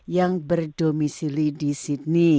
yang berdomisili di sydney